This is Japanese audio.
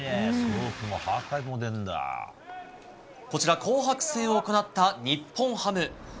こちら、紅白戦を行った日本ハム。